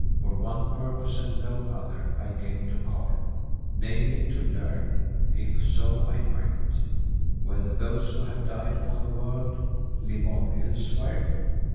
For one purpose and no other I came to Kôr, namely to learn, if so I might, whether those who have died upon the world, live on elsewhere.